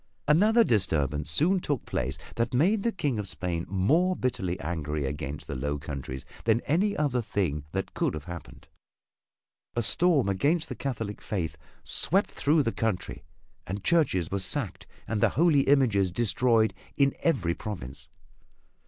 Another disturbance soon took place that made the King of Spain more bitterly angry against the Low Countries than any other thing that could have happened. A storm against the Catholic faith swept through the country and churches were sacked and the holy images destroyed in every province.